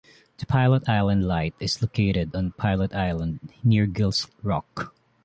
The Pilot Island Light is located on Pilot Island near Gills Rock.